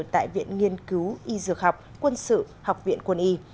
tại viện nghiên cứu y dược học quân sự học viện quân y